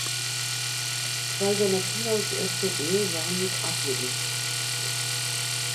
Zwei seiner Kinder aus erster Ehe waren mit Adligen verheiratet.